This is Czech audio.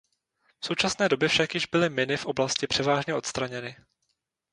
V současné době však již byly miny v oblasti převážně odstraněny.